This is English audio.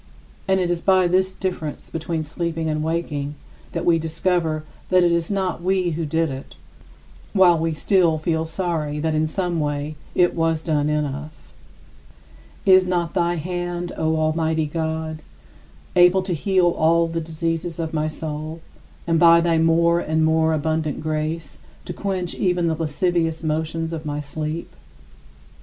And it is by this difference between sleeping and waking that we discover that it was not we who did it, while we still feel sorry that in some way it was done in us. 42. Is not thy hand, O Almighty God, able to heal all the diseases of my soul and, by thy more and more abundant grace, to quench even the lascivious motions of my sleep?